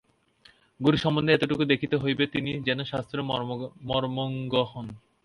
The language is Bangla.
গুরু সম্বন্ধে এইটুকু দেখিতে হইবে, তিনি যেন শাস্ত্রের মর্মজ্ঞ হন।